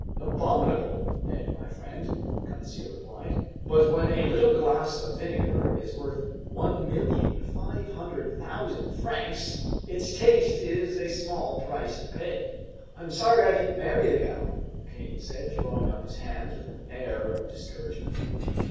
"Abominable, Ned my friend," Conseil replied. "But when a little glass of vinegar is worth 1,500,000 francs, its taste is a small price to pay." "I'm sorry I didn't marry the gal," the Canadian said, throwing up his hands with an air of discouragement.